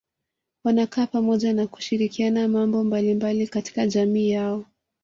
Wanakaa pamoja na kushirikiana mambo mbalimbali katika jamii yao